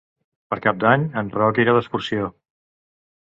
Per Cap d'Any en Roc irà d'excursió.